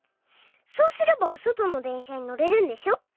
そうすればお外の電車に乗れるんでしょ。